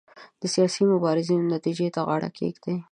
د سیاسي مبارزو نتیجو ته غاړه کېږدي.